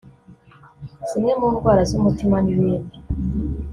zimwe mu ndwara z’umutima n’ibindi